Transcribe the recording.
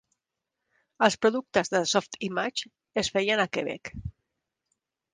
Els productes de Softimage es feien a Quebec.